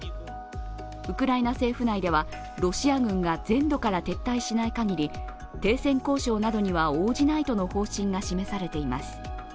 ウクライナ政府内では、ロシア軍が全土から撤退しないかぎり停戦交渉などには応じないとの方針が示されています。